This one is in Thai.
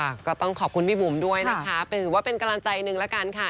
ก็ต้องขอบคุณพี่บุ๋มด้วยนะคะถือว่าเป็นกำลังใจหนึ่งละกันค่ะ